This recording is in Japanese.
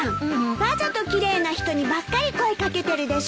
わざと奇麗な人にばっかり声掛けてるでしょ！